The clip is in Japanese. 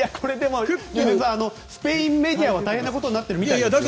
スペインメディアは大変なことになっているみたいですよ。